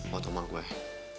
buat rumah gue